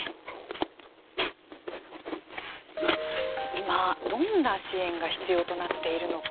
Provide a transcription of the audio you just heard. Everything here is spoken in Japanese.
今どんな支援が必要となっているのか。